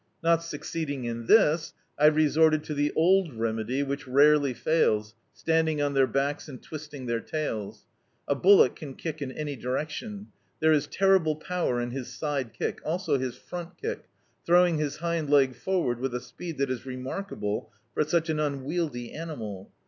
Not succeeding in this, I resorted to the old remedy, which rarely fails, standing at their backs and twisting their tails. A bullock can kick in any direction. There is terrible power ia his side kick, also his front kick, throwing his hind leg forward with a speed that is remarkable for such . an unwieldy animal.